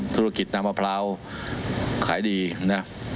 ธุรกิจน้ำมะพร้าวขายดีนะ